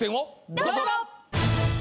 どうぞ！